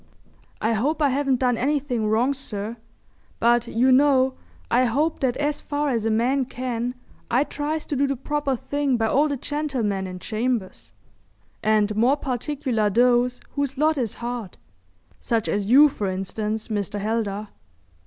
"I hope I haven't done anything wrong, sir, but you know I hope that as far as a man can I tries to do the proper thing by all the gentlemen in chambers—and more particular those whose lot is hard—such as you, for instance, Mr. Heldar.